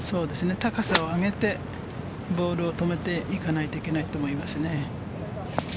高さを上げてボールを止めていかないといけないと思います。